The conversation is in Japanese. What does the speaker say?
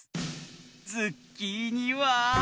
ズッキーニは。